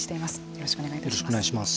よろしくお願いします。